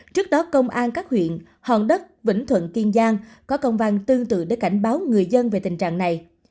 trước đó công an các huyện hòn đất vĩnh thuận kiên giang có công văn tương tự để cảnh báo người dân về tình trạng này